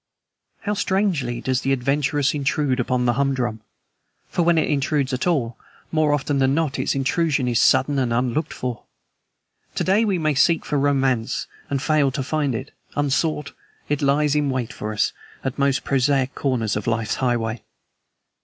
How strangely does the adventurous intrude upon the humdrum; for, when it intrudes at all, more often than not its intrusion is sudden and unlooked for. To day, we may seek for romance and fail to find it: unsought, it lies in wait for us at most prosaic corners of life's highway.